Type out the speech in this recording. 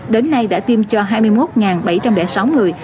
đến nay đã tiêm cho hai mươi một bảy trăm linh sáu người